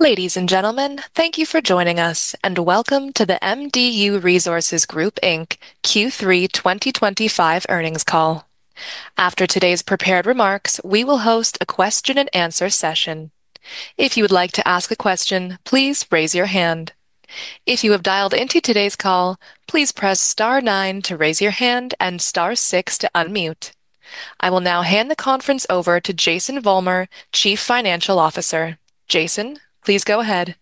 Ladies and gentlemen, thank you for joining us, and welcome to the MDU Resources Group Q3 2025 earnings call. After today's prepared remarks, we will host a question-and-answer session. If you would like to ask a question, please raise your hand. If you have dialed into today's call, please press *9 to raise your hand and *6 to unmute. I will now hand the conference over to Jason Vollmer, Chief Financial Officer. Jason, please go ahead.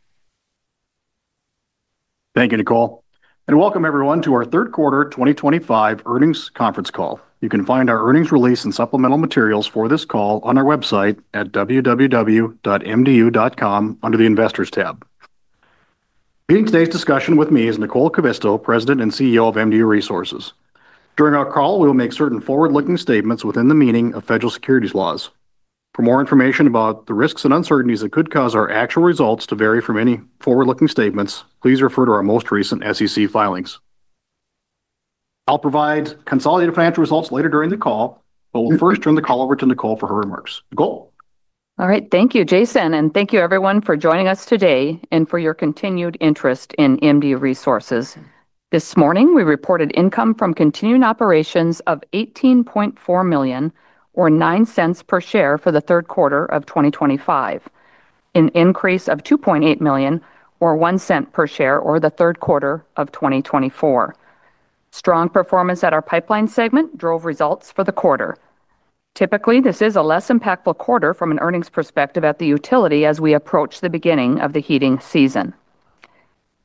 Thank you, Nicole, and welcome everyone to our third quarter 2025 earnings conference call. You can find our earnings release and supplemental materials for this call on our website at www.MDU.com under the Investors tab. Leading today's discussion with me is Nicole Kivisto, President and CEO of MDU Resources. During our call, we will make certain forward-looking statements within the meaning of federal securities laws. For more information about the risks and uncertainties that could cause our actual results to vary from any forward-looking statements, please refer to our most recent SEC filings. I'll provide consolidated financial results later during the call, but we'll first turn the call over to Nicole for her remarks. Nicole? All right, thank you, Jason, and thank you everyone for joining us today and for your continued interest in MDU Resources. This morning, we reported income from continuing operations of $18.4 million, or $0.09 per share, for the third quarter of 2025. An increase of $2.8 million, or $0.01 per share, for the third quarter of 2024. Strong performance at our pipeline segment drove results for the quarter. Typically, this is a less impactful quarter from an earnings perspective at the utility as we approach the beginning of the heating season.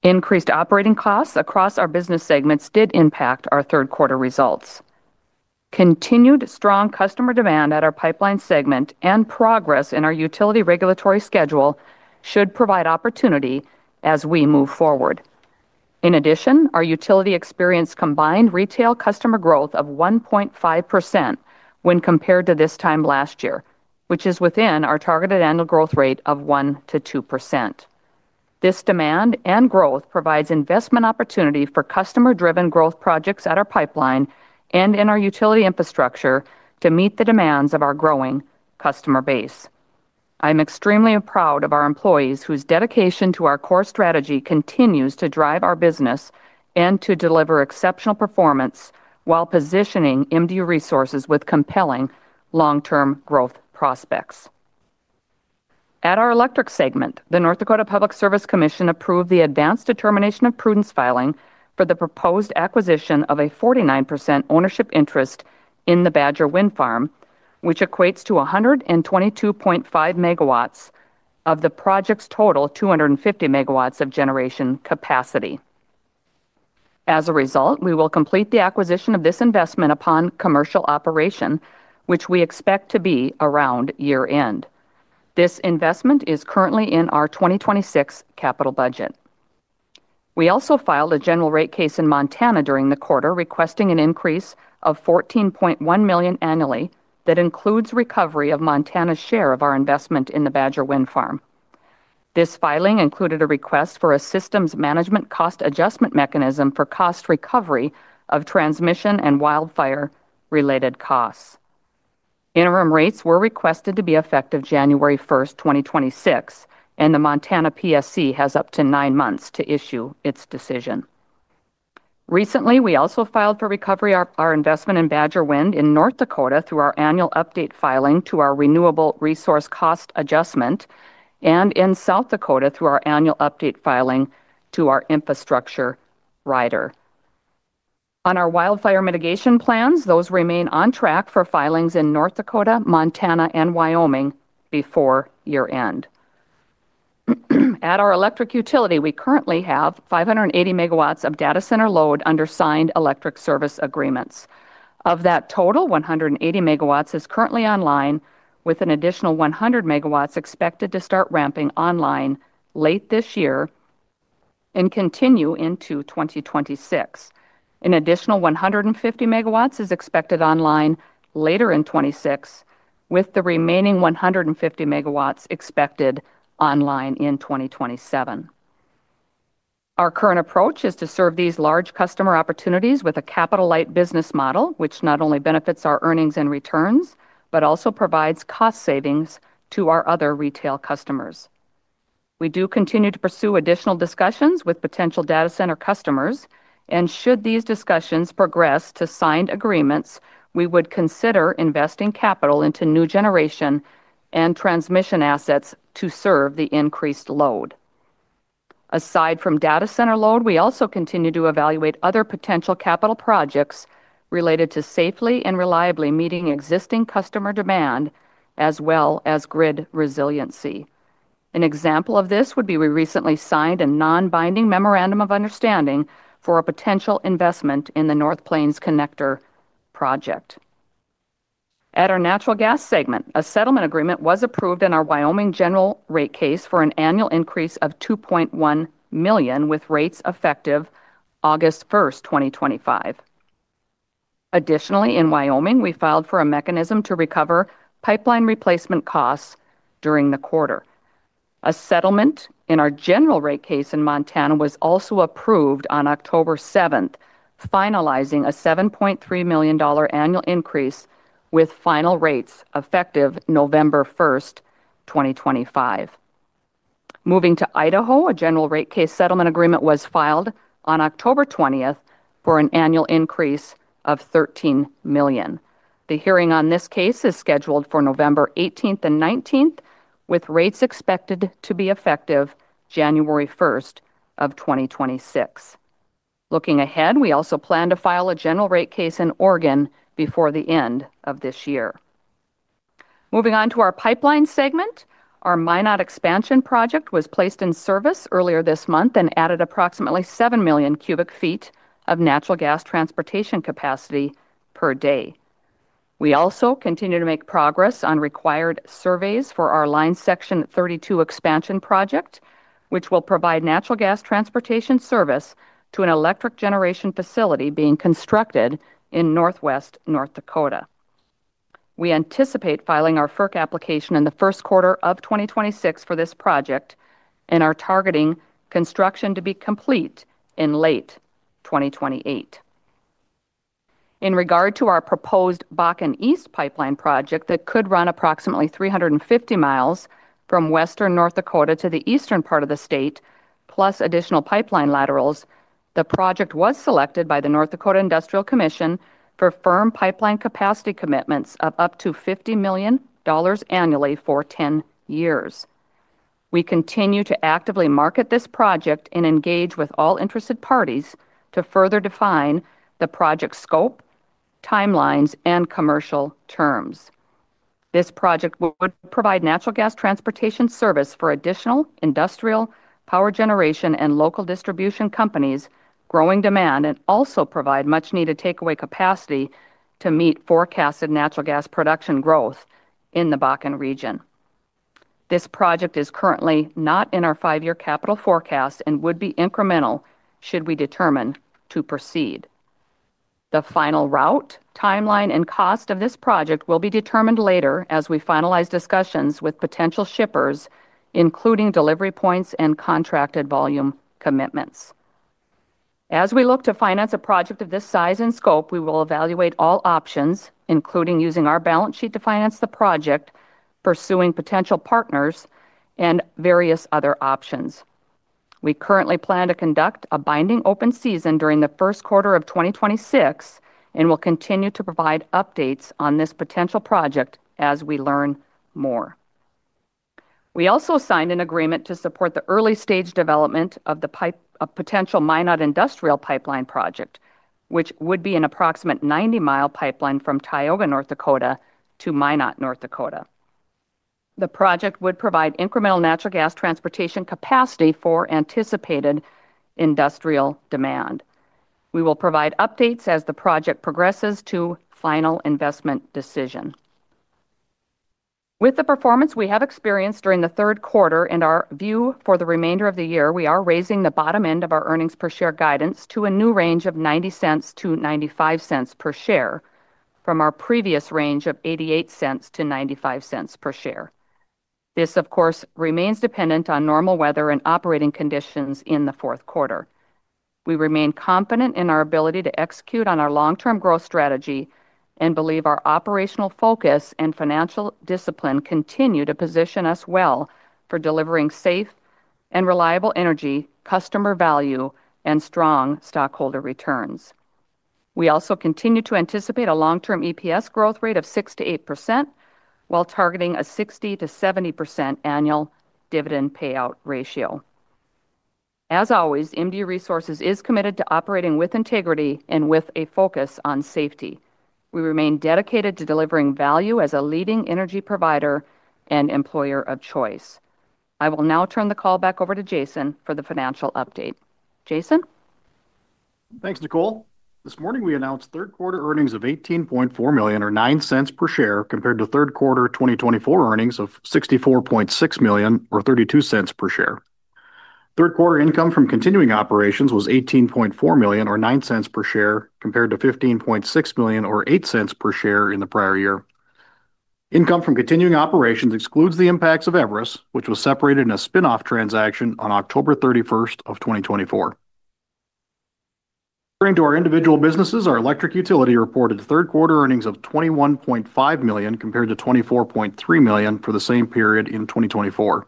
Increased operating costs across our business segments did impact our third quarter results. Continued strong customer demand at our pipeline segment and progress in our utility regulatory schedule should provide opportunity as we move forward. In addition, our utility experienced combined retail customer growth of 1.5% when compared to this time last year, which is within our targeted annual growth rate of 1%-2%. This demand and growth provide investment opportunity for customer-driven growth projects at our pipeline and in our utility infrastructure to meet the demands of our growing customer base. I'm extremely proud of our employees whose dedication to our core strategy continues to drive our business. To deliver exceptional performance while positioning MDU Resources with compelling long-term growth prospects. At our electric segment, the North Dakota Public Service Commission approved the advanced determination of prudence filing for the proposed acquisition of a 49% ownership interest in the Badger Wind Farm, which equates to 122.5 megawatts of the project's total 250 megawatts of generation capacity. As a result, we will complete the acquisition of this investment upon commercial operation, which we expect to be around year-end. This investment is currently in our 2026 capital budget. We also filed a general rate case in Montana during the quarter requesting an increase of $14.1 million annually that includes recovery of Montana's share of our investment in the Badger Wind Farm. This filing included a request for a systems management cost adjustment mechanism for cost recovery of transmission and wildfire-related costs. Interim rates were requested to be effective January 1, 2026, and the Montana PSC has up to nine months to issue its decision. Recently, we also filed for recovery of our investment in Badger Wind in North Dakota through our annual update filing to our renewable resource cost adjustment, and in South Dakota through our annual update filing to our infrastructure rider. On our wildfire mitigation plans, those remain on track for filings in North Dakota, Montana, and Wyoming before year-end. At our electric utility, we currently have 580 megawatts of data center load under signed electric service agreements. Of that total, 180 megawatts is currently online, with an additional 100 megawatts expected to start ramping online late this year and continue into 2026. An additional 150 megawatts is expected online later in 2026, with the remaining 150 megawatts expected online in 2027. Our current approach is to serve these large customer opportunities with a capital-light business model, which not only benefits our earnings and returns but also provides cost savings to our other retail customers. We do continue to pursue additional discussions with potential data center customers, and should these discussions progress to signed agreements, we would consider investing capital into new generation and transmission assets to serve the increased load. Aside from data center load, we also continue to evaluate other potential capital projects related to safely and reliably meeting existing customer demand, as well as grid resiliency. An example of this would be we recently signed a non-binding memorandum of understanding for a potential investment in the North Plains Connector project. At our natural gas segment, a settlement agreement was approved in our Wyoming general rate case for an annual increase of $2.1 million with rates effective August 1st, 2025. Additionally, in Wyoming, we filed for a mechanism to recover pipeline replacement costs during the quarter. A settlement in our general rate case in Montana was also approved on October 7th, finalizing a $7.3 million annual increase with final rates effective November 1st, 2025. Moving to Idaho, a general rate case settlement agreement was filed on October 20th for an annual increase of $13 million. The hearing on this case is scheduled for November 18th and 19th, with rates expected to be effective January 1st of 2026. Looking ahead, we also plan to file a general rate case in Oregon before the end of this year. Moving on to our pipeline segment, our Minot Expansion Project was placed in service earlier this month and added approximately 7 million cubic feet of natural gas transportation capacity per day. We also continue to make progress on required surveys for our Line Section 32 expansion project, which will provide natural gas transportation service to an electric generation facility being constructed in northwest North Dakota. We anticipate filing our FERC application in the first quarter of 2026 for this project and are targeting construction to be complete in late 2028. In regard to our proposed Bakken East pipeline project that could run approximately 350 mi from western North Dakota to the eastern part of the state, plus additional pipeline laterals, the project was selected by the North Dakota Industrial Commission for firm pipeline capacity commitments of up to $50 million annually for 10 years. We continue to actively market this project and engage with all interested parties to further define the project scope, timelines, and commercial terms. This project would provide natural gas transportation service for additional industrial power generation and local distribution companies' growing demand and also provide much-needed takeaway capacity to meet forecasted natural gas production growth in the Bakken region. This project is currently not in our five-year capital forecast and would be incremental should we determine to proceed. The final route, timeline, and cost of this project will be determined later as we finalize discussions with potential shippers, including delivery points and contracted volume commitments. As we look to finance a project of this size and scope, we will evaluate all options, including using our balance sheet to finance the project, pursuing potential partners, and various other options. We currently plan to conduct a binding open season during the first quarter of 2026 and will continue to provide updates on this potential project as we learn more. We also signed an agreement to support the early-stage development of the potential Minot Industrial Pipeline Project, which would be an approximate 90 mi pipeline from Tioga, North Dakota, to Minot, North Dakota. The project would provide incremental natural gas transportation capacity for anticipated industrial demand. We will provide updates as the project progresses to final investment decision. With the performance we have experienced during the third quarter and our view for the remainder of the year, we are raising the bottom end of our earnings per share guidance to a new range of $0.90-$0.95 per share from our previous range of $0.88-$0.95 per share. This, of course, remains dependent on normal weather and operating conditions in the fourth quarter. We remain confident in our ability to execute on our long-term growth strategy and believe our operational focus and financial discipline continue to position us well for delivering safe and reliable energy, customer value, and strong stockholder returns. We also continue to anticipate a long-term EPS growth rate of 6%-8% while targeting a 60%-70% annual dividend payout ratio. As always, MDU Resources is committed to operating with integrity and with a focus on safety. We remain dedicated to delivering value as a leading energy provider and employer of choice. I will now turn the call back over to Jason for the financial update. Jason? Thanks, Nicole. This morning, we announced third quarter earnings of $18.4 million, or $0.09 per share, compared to third quarter 2024 earnings of $64.6 million, or $0.32 per share. Third quarter income from continuing operations was $18.4 million, or $0.09 per share, compared to $15.6 million, or $0.08 per share in the prior year. Income from continuing operations excludes the impacts of Everest, which was separated in a spinoff transaction on October 31 of 2024. Turning to our individual businesses, our electric utility reported third quarter earnings of $21.5 million compared to $24.3 million for the same period in 2024.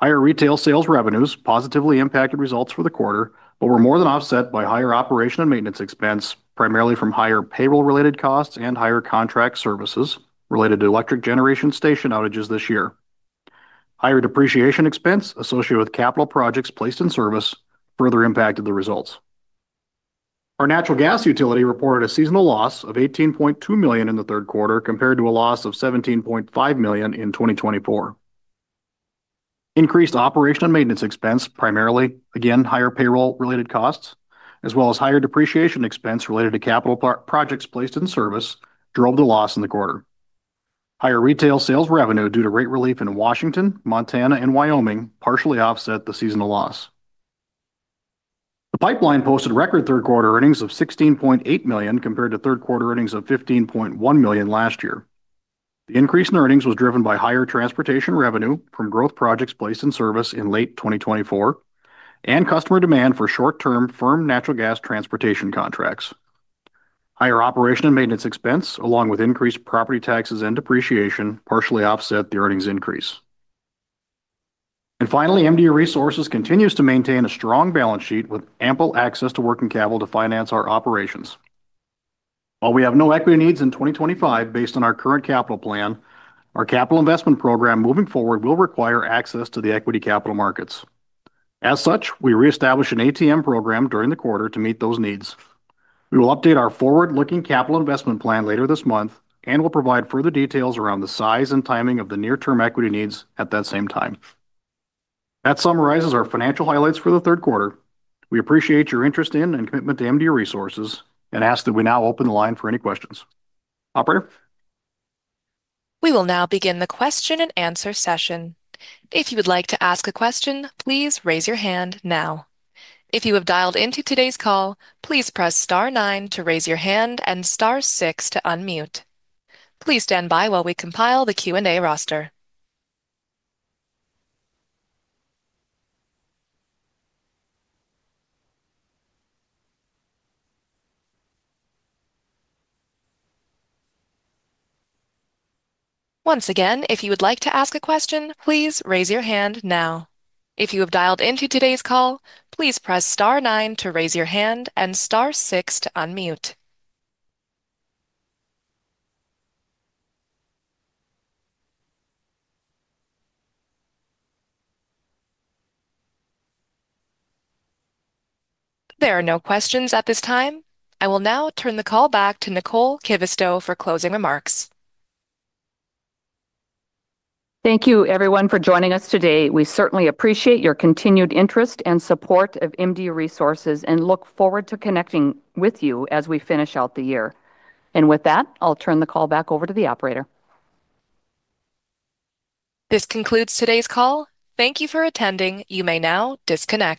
Higher retail sales revenues positively impacted results for the quarter, but were more than offset by higher operation and maintenance expense, primarily from higher payroll-related costs and higher contract services related to electric generation station outages this year. Higher depreciation expense associated with capital projects placed in service further impacted the results. Our natural gas utility reported a seasonal loss of $18.2 million in the third quarter compared to a loss of $17.5 million in 2024. Increased operation and maintenance expense, primarily, again, higher payroll-related costs, as well as higher depreciation expense related to capital projects placed in service, drove the loss in the quarter. Higher retail sales revenue due to rate relief in Washington, Montana, and Wyoming partially offset the seasonal loss. The pipeline posted record third quarter earnings of $16.8 million compared to third quarter earnings of $15.1 million last year. The increase in earnings was driven by higher transportation revenue from growth projects placed in service in late 2024 and customer demand for short-term firm natural gas transportation contracts. Higher operation and maintenance expense, along with increased property taxes and depreciation, partially offset the earnings increase. MDU Resources continues to maintain a strong balance sheet with ample access to working capital to finance our operations. While we have no equity needs in 2025 based on our current capital plan, our capital investment program moving forward will require access to the equity capital markets. As such, we reestablished an ATM program during the quarter to meet those needs. We will update our forward-looking capital investment plan later this month and will provide further details around the size and timing of the near-term equity needs at that same time. That summarizes our financial highlights for the third quarter. We appreciate your interest in and commitment to MDU Resources and ask that we now open the line for any questions. Operator? We will now begin the question and answer session. If you would like to ask a question, please raise your hand now. If you have dialed into today's call, please press *9 to raise your hand and *6 to unmute. Please stand by while we compile the Q&A roster. Once again, if you would like to ask a question, please raise your hand now. If you have dialed into today's call, please press *9 to raise your hand and *6 to unmute. There are no questions at this time. I will now turn the call back to Nicole Kivisto for closing remarks. Thank you, everyone, for joining us today. We certainly appreciate your continued interest and support of MDU Resources and look forward to connecting with you as we finish out the year. With that, I'll turn the call back over to the operator. This concludes today's call. Thank you for attending. You may now disconnect.